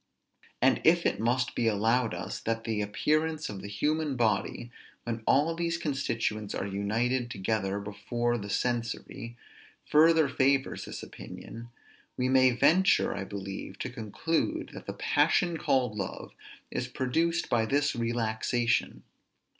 And if it must be allowed us, that the appearance of the human body, when all these constituents are united together before the sensory, further favors this opinion, we may venture, I believe, to conclude that the passion called love is produced by this relaxation.